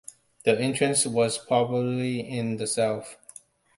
The entrance was probably in the south.